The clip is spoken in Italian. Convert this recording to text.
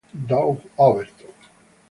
Doug Overton